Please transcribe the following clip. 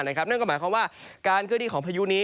นั่นก็หมายความว่าการเคลื่อนที่ของพายุนี้